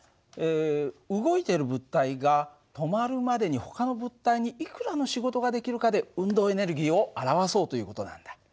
動いてる物体が止まるまでにほかの物体にいくらの仕事ができるかで運動エネルギーを表そうという事なんだ。